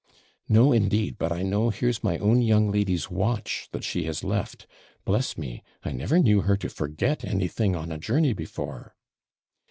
'No, indeed but I know here's my own young lady's watch that she has left. Bless me! I never knew her to forget anything on a journey before.'